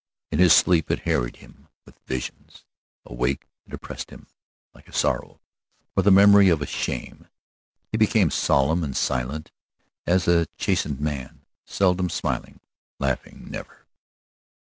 In his sleep it harried him with visions; awake, it oppressed him like a sorrow, or the memory of a shame. He became solemn and silent as a chastened man, seldom smiling, laughing never.